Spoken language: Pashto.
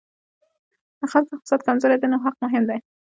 د خلکو اقتصاد کمزوری دی نو حق مهم دی.